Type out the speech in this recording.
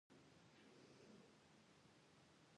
بریالی تعلیم ناهیلي ختموي.